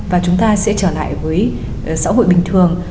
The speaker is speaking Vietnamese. và chúng ta sẽ trở lại với xã hội bình thường